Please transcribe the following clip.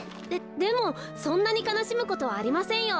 でもそんなにかなしむことはありませんよ。